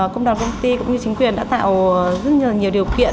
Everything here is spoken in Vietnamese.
công đoàn công ty cũng như chính quyền đã tạo rất nhiều điều kiện